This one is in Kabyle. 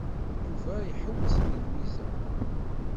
Yuba iḥewwes d Lwiza.